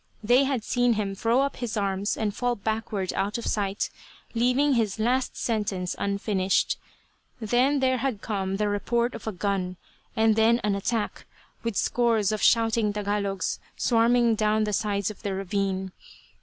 They had seen him throw up his arms and fall backward out of sight, leaving his last sentence unfinished. Then there had come the report of a gun, and then an attack, with scores of shouting Tagalogs swarming down the sides of the ravine.